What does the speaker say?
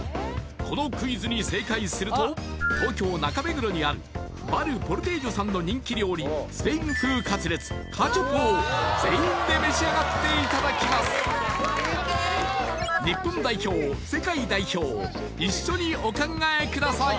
このクイズに正解すると東京中目黒にあるバル・ポルティージョさんの人気料理を全員で召し上がっていただきます日本代表世界代表一緒にお考えください